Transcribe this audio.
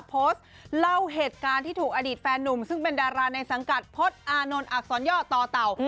โพสต์เล่าเหตุการณ์ที่ถูกอดีตแฟนนุ่มซึ่งเป็นดาราในสังกัดพจน์อานนท์อักษรย่อต่อเต่า